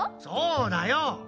そうだよ。